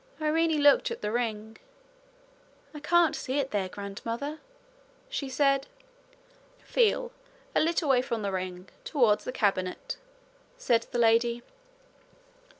Irene looked at the ring. 'I can't see it there, grandmother,' she said. 'Feel a little way from the ring towards the cabinet,' said the lady.